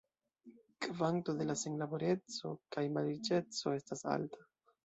Kvanto de la senlaboreco kaj malriĉeco estas alta.